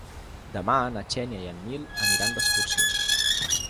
Demà na Xènia i en Nil aniran d'excursió.